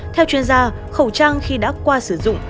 theo chuyên gia khẩu trang khi đã qua sử dụng